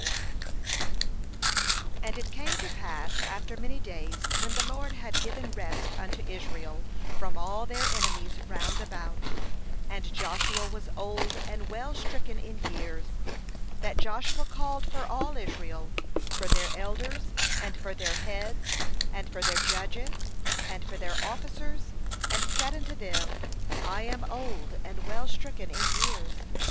O O And it came to pass after many days, when the LORD had given rest unto Israel from all their enemies round about, and Joshua was old and well stricken in years; Hhat Joshua called for all Israel, for their elders and for their heads, and for their judges and for their officers, and said unto them: 'I am old and well stricken in years.